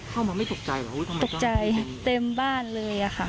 เข้ามาไม่ตกใจเหรอตกใจเต็มบ้านเลยค่ะ